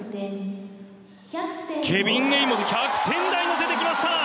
ケビン・エイモズ１００点台に乗せてきました！